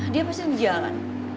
dia pasti di jalan